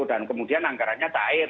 dan kemudian anggarannya taim